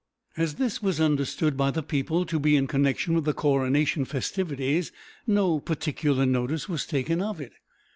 As this was understood by the people to be in connection with the coronation festivities, no particular notice was taken of it.